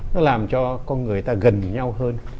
nó làm cho con người ta gần nhau hơn